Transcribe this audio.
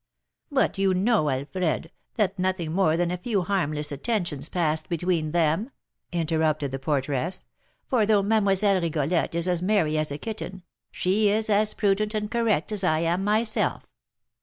"But you know, Alfred, that nothing more than a few harmless attentions passed between them," interrupted the porteress; "for, though Mlle. Rigolette is as merry as a kitten, she is as prudent and correct as I am myself.